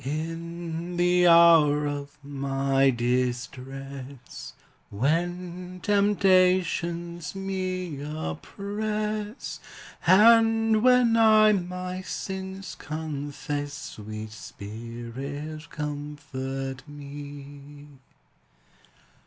In the hour of my distress, When temptations me oppress, And when I my sins confess, Sweet Spirit, comfort me!